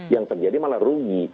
yang terjadi malah rugi